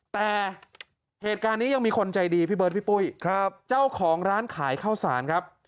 แต่เหตุการณ์นี้ยังมีคนใจดีพี่เบิร์ดพี่ปุ้ยครับเจ้าของร้านขายข้าวสารครับ